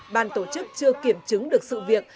bàn tổ chức chưa kiểm chứng được sự việc